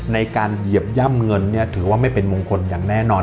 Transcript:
เหยียบย่ำเงินถือว่าไม่เป็นมงคลอย่างแน่นอน